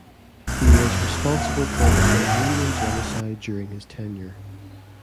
He was responsible for the Armenian genocide during his tenure.